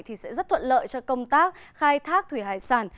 thì sẽ rất thuận lợi cho công tác khai thác thủy hải sản